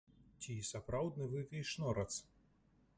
Ці сапраўдны вы вейшнорац?